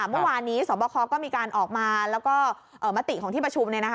เมื่อวานนี้สวบคก็มีการออกมาแล้วก็มติของที่ประชุม